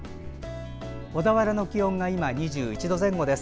小田原の気温が今、２１度前後です。